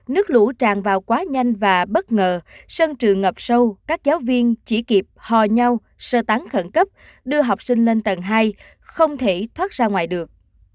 nước lũ tràn vào quá nhanh và bất ngờ sân trường ngập sâu các giáo viên chỉ kịp hò nhau sơ tán khẩn cấp đưa học sinh lên tầng hai không thể thoát ra ngoài được